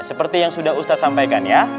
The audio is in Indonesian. seperti yang sudah ustadz sampaikan ya